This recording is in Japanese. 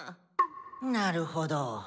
なるほど。